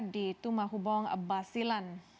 di tumahubong basilan